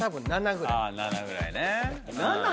７ぐらいね。